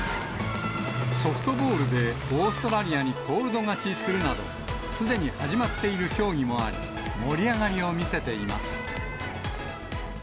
ソフトボールでオーストラリアにコールド勝ちするなど、すでに始まっている競技もあり、盛り上がりを見せています。